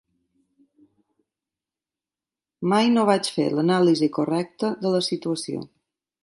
Mai no vaig fer l'anàlisi correcta de la situació